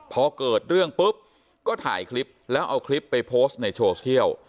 พอเกิดเรื่องปุ๊บก็ถ่ายคลิปแล้วเอาคลิปไปโพสต์ในโซเชียล